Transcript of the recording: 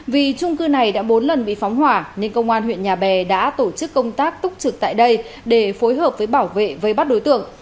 vì trung cư này đã bốn lần bị phóng hỏa nên công an huyện nhà bè đã tổ chức công tác túc trực tại đây để phối hợp với bảo vệ vây bắt đối tượng